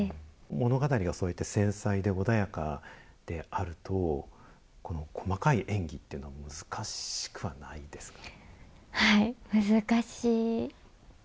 物語がそうやって繊細で穏やかであると、細かい演技というのは、難しくはないですか。